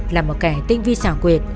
là một kẻ tinh vi xảo quyệt